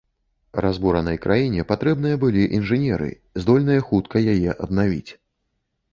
Разбуранай краіне патрэбныя былі інжынеры, здольныя хутка яе аднавіць.